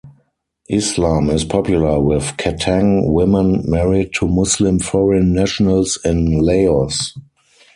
Islam is popular with Katang women married to Muslim Foreign Nationals in Laos.